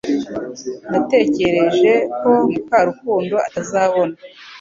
Natekereje ko Mukarukundo atazabona